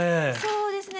そうですね